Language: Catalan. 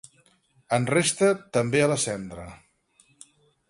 En resta també a la cendra.